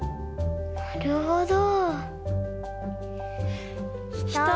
なるほど。